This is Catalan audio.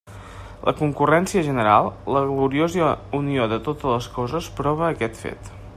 La concurrència general, la gloriosa unió de totes les coses prova aquest fet.